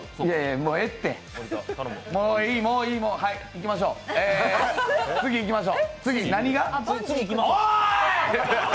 もういい、いい次いきましょう。